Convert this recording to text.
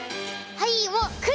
はい。